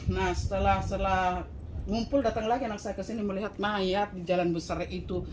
nah setelah setelah ngumpul datang lagi anak saya ke sini melihat mayat di jalan besar itu